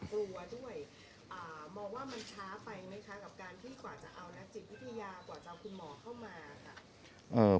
กับการที่กว่าจะเอานักจิตวิทยากว่าจะเอาคุณหมอเข้ามาค่ะเอ่อ